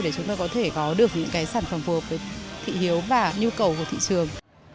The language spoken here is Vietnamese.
để chúng ta có thể có được những cái sản phẩm phù hợp với thị hiếu và nhu cầu của thị trường